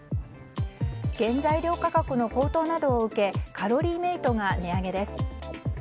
原材料価格の高騰などを受けカロリーメイトが値上げです。